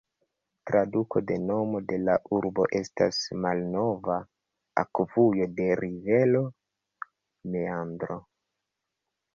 Traduko de nomo de la urbo estas "malnova akvujo de rivero, meandro".